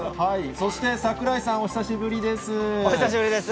そして、櫻井さん、お久しぶお久しぶりです。